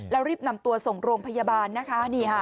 แล้วรีบนำตัวส่งโรงพยาบาลนะคะ